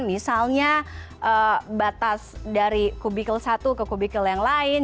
misalnya batas dari kubikel satu ke kubikel yang lain